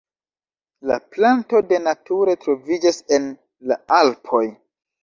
La planto de nature troviĝas en la Alpoj.